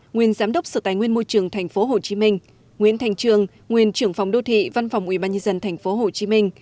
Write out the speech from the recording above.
nguyên giám đốc sở tài nguyên môi trường tp hcm nguyễn thành trường nguyên trưởng phòng đô thị văn phòng ủy ban nhân dân tp hcm